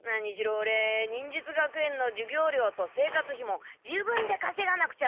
オレ忍術学園の授業料と生活費も自分でかせがなくちゃ